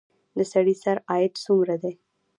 د سړي سر عاید څومره دی؟